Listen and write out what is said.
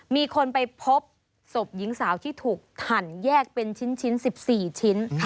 มีคนไปพบศพหญิงสาวที่ถูกหั่นแยกเป็นชิ้น๑๔ชิ้น